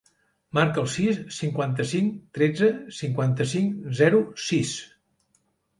Marca el sis, cinquanta-cinc, tretze, cinquanta-cinc, zero, sis.